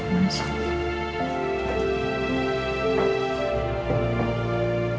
kalau kamu pulang